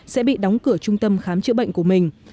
sẽ bị đóng cửa trung tâm khám chữa bệnh của mình